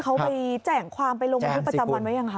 เขาไปแจ้งความไปลงบันทึกประจำวันไว้ยังคะ